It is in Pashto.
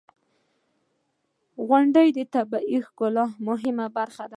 • غونډۍ د طبیعی ښکلا مهمه برخه ده.